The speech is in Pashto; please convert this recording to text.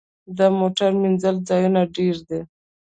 د موټر مینځلو ځایونه ډیر دي؟